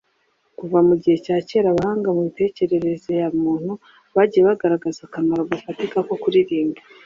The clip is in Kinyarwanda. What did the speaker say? Kuva mu gihe cya kera abahanga mu itekerereze ya muntu bagiye bagaragaza akamaro gafatika ko kuririmba